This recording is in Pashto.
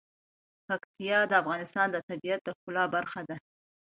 پکتیا د افغانستان د طبیعت د ښکلا برخه ده.